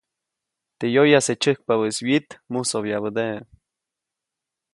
Teʼ yoyase tysäjkpabäʼis wyit, musobyabädeʼe.